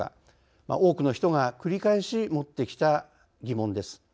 多くの人が繰り返し持ってきた疑問です。